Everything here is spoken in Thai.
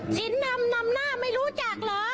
สินนำนำหน้าไม่รู้จักเหรอ